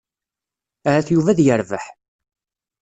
Ahat Yuba ad yerbeḥ.